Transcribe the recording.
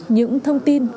những thông tin